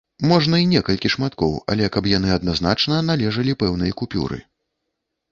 Можна і некалькі шматкоў, але каб яны адназначна належалі пэўнай купюры.